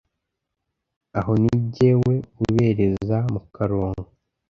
aho ni jyewe ubereza mukaronka.